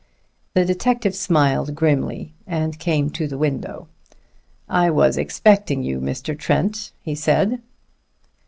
The detective smiled grimly and came to the window. "I was expecting you, Mr. Trent," he said.